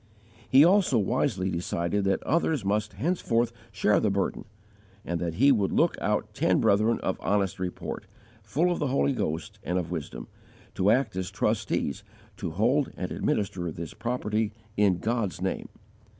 He also wisely decided that others must henceforth share the burden, and that he would look out ten brethren of honest report, full of the Holy Ghost and of wisdom, to act as trustees to hold and administer this property in God's name.